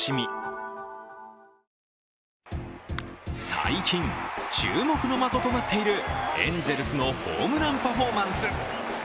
最近、注目の的となっているエンゼルスのホームランパフォーマンス。